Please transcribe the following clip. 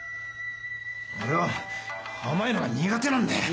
俺は甘いのが苦手なんだよ。